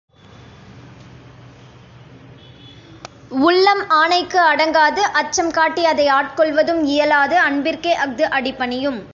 உள்ளம் ஆணைக்கு அடங்காது அச்சம் காட்டி அதை ஆட்கொள்வதும் இயலாது அன்பிற்கே அஃது அடிபணியும்.